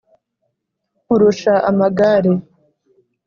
Nkurusha amagare,